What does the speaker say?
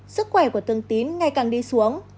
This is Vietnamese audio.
sức khỏe của thương tín ngày càng đi xuống